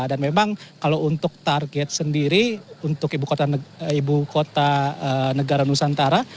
dan memang kalau untuk target sendiri untuk ibu kota negara nusantara